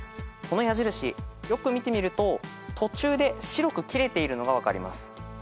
この矢印よく見てみると途中で白く切れているのが分かります。